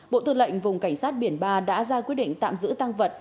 bộ tư lệnh vùng cảnh sát biển ba đã ra quyết định tạm giữ tăng vật